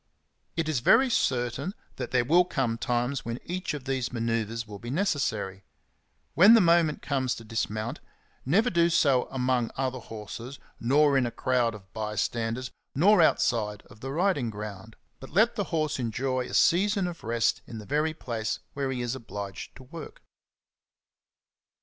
It is very certain that there will come times when each of these manoeuvres will be necessary. When the moment comes to dis mount, never do so among other horses, nor in a crowd of bystanders, nor outside of the riding ground ; but let the horse enjoy a season of rest in the very place where he is obliged to work.